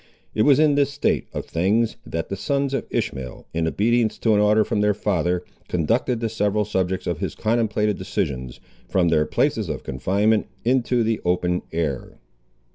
It was in this state of things that the sons of Ishmael, in obedience to an order from their father, conducted the several subjects of his contemplated decisions, from their places of confinement into the open air.